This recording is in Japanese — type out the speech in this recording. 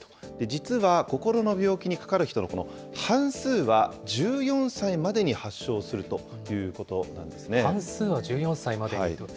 実は心の病気にかかる人のこの半数は、１４歳までに発症するとい半数は１４歳までにと。